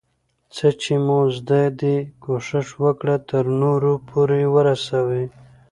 څه چي مو زده دي، کوښښ وکړه ترنور پورئې ورسوې.